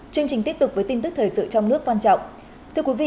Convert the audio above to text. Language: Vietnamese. chương trình tiếp tục với tin tức thời sự trong nước quan trọng